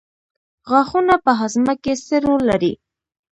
غاښونه په هاضمه کې څه رول لري